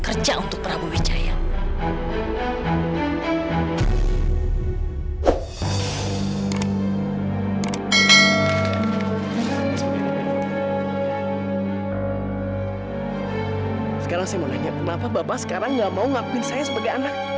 kenapa bapak sekarang nggak mau ngakuin saya sebagai anak